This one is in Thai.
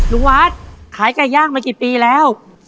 ลุงวัดขายไก่ย่างมากี่ปีแล้ว